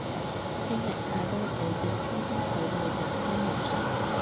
經歷太多死別深深體會人生無常